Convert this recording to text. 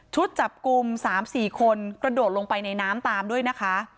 จับกลุ่ม๓๔คนกระโดดลงไปในน้ำตามด้วยนะคะ